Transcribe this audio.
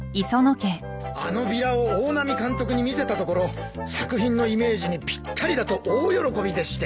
あのビラを大波監督に見せたところ作品のイメージにぴったりだと大喜びでして。